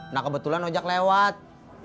nah kebetulan ojak lewat